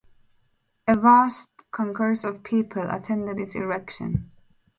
A "vast concourse of people" attended its erection.